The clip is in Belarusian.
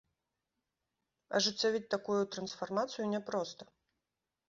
Ажыццявіць такую трансфармацыю няпроста.